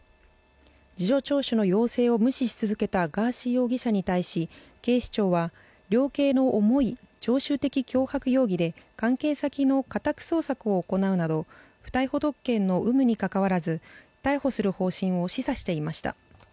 事情聴取の要請を無視し続けたガーシー容疑者に対し警視庁は量刑の重い常習的脅迫容疑で関係先の家宅捜索を行うなど不逮捕特権の有無にかかわらず逮捕する方針を示唆していました。